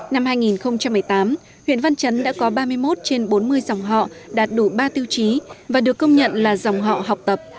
năm hai nghìn một mươi tám huyện văn chấn đã có ba mươi một trên bốn mươi dòng họ đạt đủ ba tiêu chí và được công nhận là dòng họ học tập